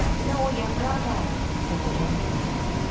" Nor your brother," said Adolphus.